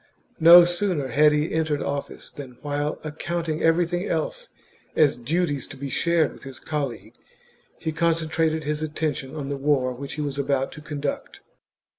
No sooner had he entered office than, while accounting everything else as duties to be shared with his col league, he concentrated his attention on the war which he was about to conduct.